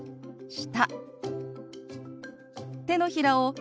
「下」。